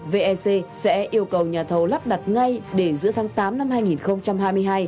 vec sẽ yêu cầu nhà thầu lắp đặt ngay để giữa tháng tám năm hai nghìn hai mươi hai